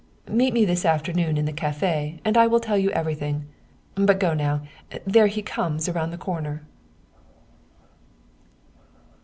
Meet me this afternoon in the cafe, and I will tell you everything. But go now there he comes around the corner."